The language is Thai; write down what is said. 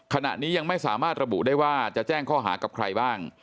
ขณะนี้ยังไม่สามารถระบุได้ว่าจะแจ้งข้อหากับใครบ้าง